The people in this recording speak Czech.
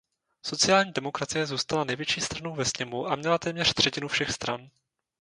Sociální demokracie zůstala největší stranou ve sněmu a měla téměř třetinu všech stran.